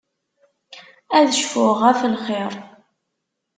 Ad cfuɣ ɣef lxir.